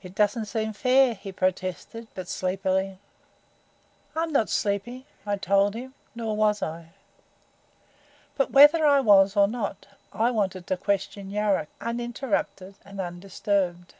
"It doesn't seem fair," he protested, but sleepily. "I'm not sleepy," I told him; nor was I. But whether I was or not, I wanted to question Yuruk, uninterrupted and undisturbed.